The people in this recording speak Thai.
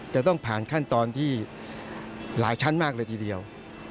จะต้องผ่านขั้นตอนที่หลายชั้นมากเลยทีเดียว